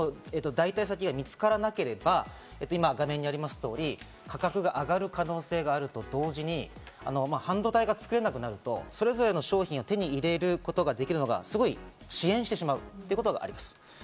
代替先が見つからなければ、画面にあります通り、価格が上がる可能性があると同時に半導体が作れなくなると、それぞれの商品を手に入れることができるのが遅延してしまうということがあります。